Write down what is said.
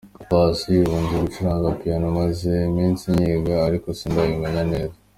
Paccy: Ubu nzi gucuranga piano, maze iminsi nyiga ariko sindayimenya neza.